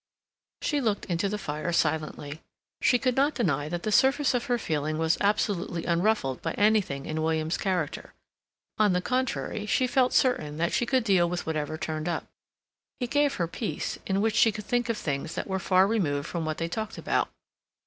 She looked into the fire silently. She could not deny that the surface of her feeling was absolutely unruffled by anything in William's character; on the contrary, she felt certain that she could deal with whatever turned up. He gave her peace, in which she could think of things that were far removed from what they talked about.